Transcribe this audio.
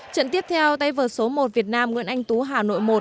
trận tiếp theo tay vợt số một việt nam nguyễn anh tú hà nội một